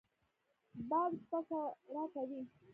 باد شپه سړه کوي